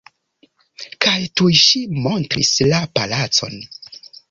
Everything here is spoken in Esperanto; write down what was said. Kaj tuj ŝi montris la palacon.